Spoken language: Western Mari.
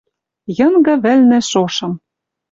ЙЫНГЫ ВӸЛНӸ ШОШЫМ